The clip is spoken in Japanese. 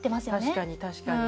確かに確かに。